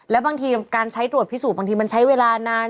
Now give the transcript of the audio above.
แล้วบางทีการใช้ตรวจพิสูจน์บางทีมันใช้เวลานาน